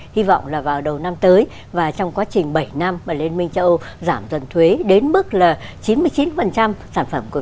hy vọng là vào đầu năm tới và trong quá trình bảy năm mà liên minh châu âu giảm dần thuế đến mức là chín mươi chín sản phẩm của việt nam